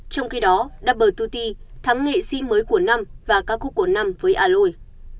trong khi đó double hai t thắng nghệ sĩ mới của năm và ca khúc của năm với aloy